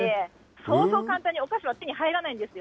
そうそう簡単にお菓子は手に入らないんですよ。